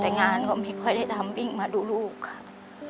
แต่งานก็ไม่ค่อยได้ทำวิ่งมาดูลูกค่ะ